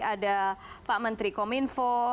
ada pak menteri kominfo